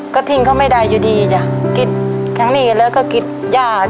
ก็ทิ้งเขาไม่ได้อยู่ดีจ้ะคิดทั้งนี้แล้วก็กินย่า